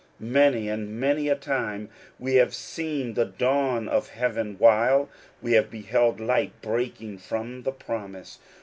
Many and many a time we have seen the dawn of heaven while we have beheld light breaking from the promise.